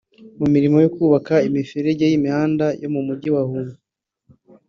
mu mirimo yo kubaka imiferege y’imihanda yo mu mujyi wa Huye